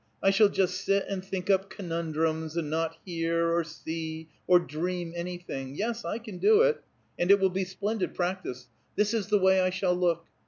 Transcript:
I shall just sit and think up conundrums, and not hear, or see, or dream anything. Yes, I can do it, and it will be splendid practice. This is the way I shall look."